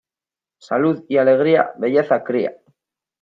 Salud y alegría, belleza cría.